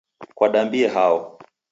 Kwadambie hao?